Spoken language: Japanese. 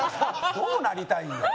どうなりたいんだよ？